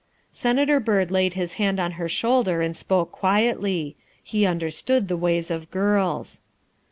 Senator Byrd laid his hand on her shoulder and spoke quietly. He understood the ways of girls.